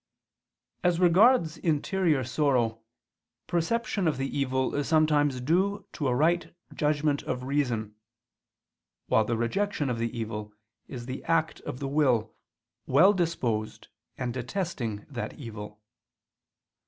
As regards interior sorrow, perception of the evil is sometimes due to a right judgment of reason; while the rejection of the evil is the act of the will, well disposed and detesting that evil.